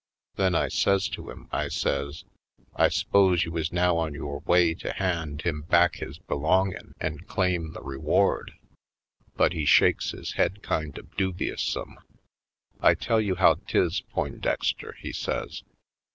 Then I says to him, I says: "I s'pose you is now on yore way to hand 80 /. PoindexteVj Colored him back his belongin' an' claim the re ward?" But he shakes his head kind of dubi ousome. *'I tell you how 'tis, Poindexter," he says.